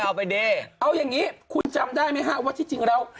เอาไปดิเอาอย่างนี้คุณจำได้ไหมฮะว่าที่จริงแล้ว